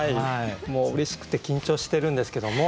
もううれしくて緊張してるんですけども。